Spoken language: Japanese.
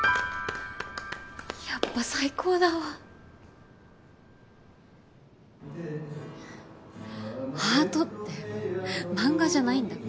やっぱ最高だわハートって漫画じゃないんだから。